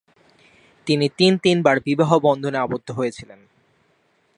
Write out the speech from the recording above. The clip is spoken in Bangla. তিনি তিনবার বিবাহবন্ধনে আবদ্ধ হয়েছিলেন।